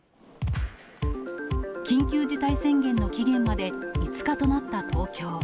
緊急事態宣言の期限まで５日となった東京。